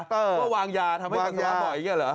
ว่าวางยาทำให้กัญญาบ่อยอย่างนี้เหรอ